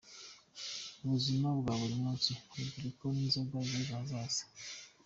Ubuzima bwa buri munsi, Urubyiruko n’inzozi z‘ejo hazaza”.